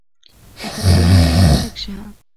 اتلولي مو مبارک شه